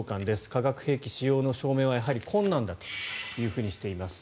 化学兵器使用の証明はやはり困難だとしています。